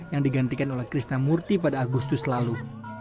yang digantikan oleh krisna murty pada agustus lalu